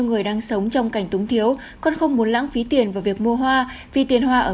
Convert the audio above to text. người đang sống trong cảnh túng thiếu con không muốn lãng phí tiền vào việc mua hoa vì tiền hoa ở